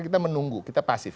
kita menunggu kita pasif